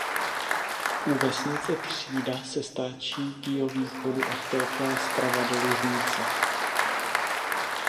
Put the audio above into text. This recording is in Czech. U vesnice Křída se stáčí k jihovýchodu a vtéká zprava do Lužnice.